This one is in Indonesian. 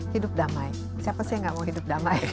hidup damai siapa sih yang gak mau hidup damai